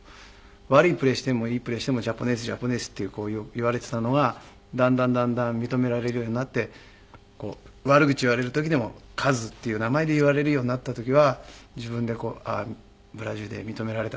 悪いプレーしてもいいプレーしても「ジャポネースジャポネース」ってよく言われていたのがだんだんだんだん認められるようになって悪口言われる時でもカズっていう名前で言われるようになった時は自分であっブラジルで認められたかなっていう。